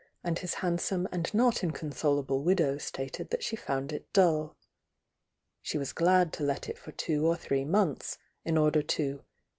^ t» handsome and not incon solable widow stated that she found it duU. She was^ad to let it for two or three months, in order Jfno.